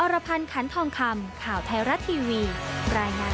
รพันธ์ขันทองคำข่าวไทยรัฐทีวีรายงาน